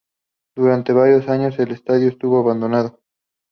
Durante varios años, el estadio estuvo abandonado.